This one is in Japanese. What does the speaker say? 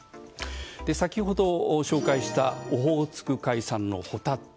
先ほど紹介したオホーツク海産のホタテ。